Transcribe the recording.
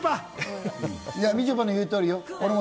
みちょぱの言う通りよ。